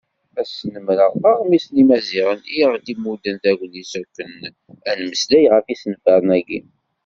Ad snemreɣ Aɣmis n Yimaziɣen i aɣ-d-imudden tagnit akken ad d-nemmeslay ɣef yisenfaren-agi.